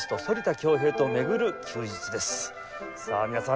さあ皆さん